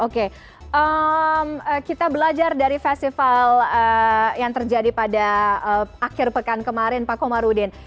oke kita belajar dari festival yang terjadi pada akhir pekan kemarin pak komarudin